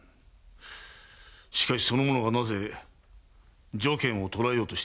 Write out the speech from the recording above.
しかしその者がなぜ如見を捕らえようとしているのか？